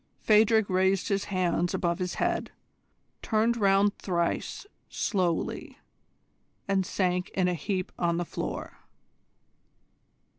Phadrig raised his hands above his head, turned round thrice slowly, and sank in a heap on the floor.